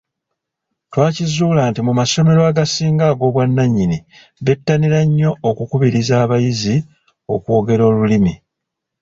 Twakizuula nti mu masomero agasinga ag’obwannannyini bettanira nnyo okukubiriza abayizi okwogera Olulimi.